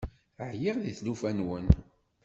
Ɛyiɣ di tlufa-nwen.